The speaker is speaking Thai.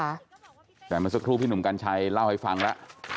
เดี๋ยวมาสักครู่พี่หนุ่มกัญชัยเล่าให้ฟังละ